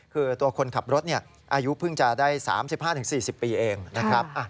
คือตัวคนขับรถอายุเพิ่งจะได้๓๕๔๐ปีเองนะครับ